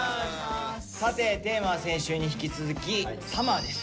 さてテーマは先週に引き続き「ＳＵＭＭＥＲ」です。